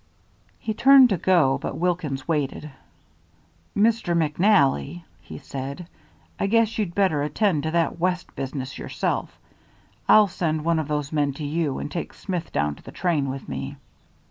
He turned to go, but Wilkins waited. "Mr. McNally," he said, "I guess you'd better attend to that West business yourself. I'll send one of those men to you, and take Smith down to the train with me."